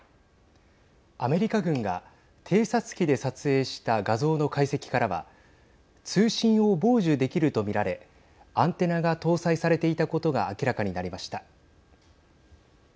アメリカ軍が偵察機で撮影した画像の解析からは通信を傍受できると見られアンテナが搭載されていたことが明らかになりました。